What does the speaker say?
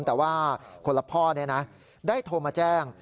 แต่ว่าคนละพ่อได้โทรมาแจ้ง